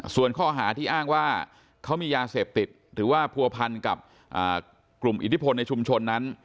ส่วนข้อหาที่อ้างว่าเขามียาเสพติดหรือว่าผัวพันกับกลุ่มอิทธิพลในชุมชนนั้น